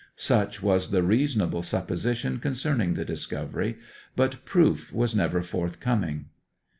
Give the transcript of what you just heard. Such was the reasonable supposition concerning the discovery; but proof was never forthcoming.